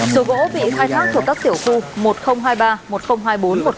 số gỗ bị khai thác thuộc các tiểu khu một nghìn hai mươi ba một nghìn hai mươi bốn một nghìn hai mươi năm